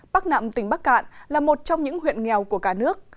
bắc nạm tỉnh bắc cạn là một trong những huyện nghèo của cả nước